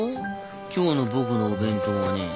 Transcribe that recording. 今日の僕のお弁当はね